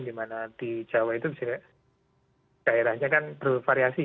di mana di jawa itu daerahnya kan bervariasi